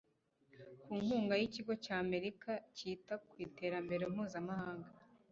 ku nkunga y ikigo cy amerika cyita ku iterambere mpuzamahanga